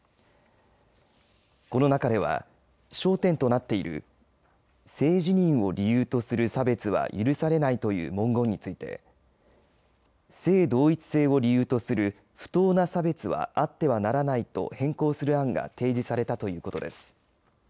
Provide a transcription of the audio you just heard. この中では焦点となっている性自認を理由とする差別は許されないという文言について性同一性を理由とする不当な差別はあってはならないと変更する案が提示されたということです。